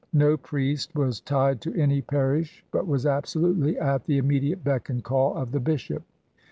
No priest was tied to any parish but was absolutely at the immediate beck and call of the bishop.